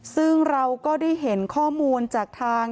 ซึ่งเราก็ได้เห็นข้อมูลจากทาง